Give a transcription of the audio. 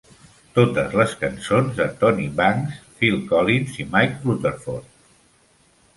Totes les cançons de Tony Banks, Phil Collins, i Mike Rutherford.